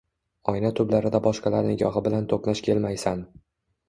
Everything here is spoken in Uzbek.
Oyna tublarida boshqalar nigohi bilan to’qnash kelmaysan.